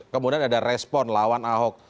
kemudian ada respon lawan ahok